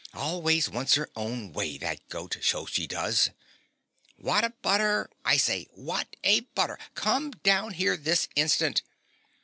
"Always wants her own way, that goat so she does. What a butter, I say WHAT A BUTTER come down here this instant."